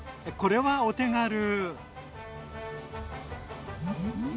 これはお手軽！